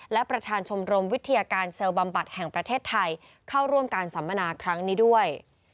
และประธานชมรมวิทยาการเซลล์บำบัดแห่งประเทศไทยเข้าร่วมการสัมมนาครั้งนี้ด้วย